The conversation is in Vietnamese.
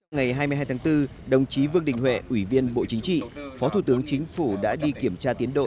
ngày hai mươi hai tháng bốn đồng chí vương đình huệ ủy viên bộ chính trị phó thủ tướng chính phủ đã đi kiểm tra tiến độ